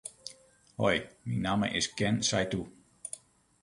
Hoi, myn namme is Ken Saitou.